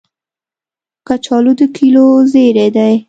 کچالو د کلیو زېری دی